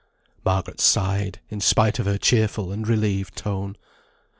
Margaret sighed, in spite of her cheerful and relieved tone.